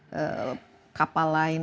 dengan perahu yang lain